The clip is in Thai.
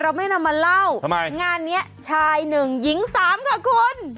ไม่นำมาเล่าทำไมงานเนี้ยชายหนึ่งหญิงสามค่ะคุณ